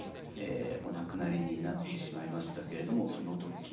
お亡くなりになってしまいましたけれどもその時はどんな。